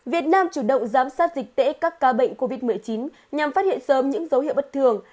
việt nam chủ động giám sát dịch tễ các ca bệnh covid một mươi chín nhằm phát hiện sớm những dấu hiệu bất thường